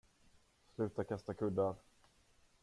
Sluta kasta kuddar!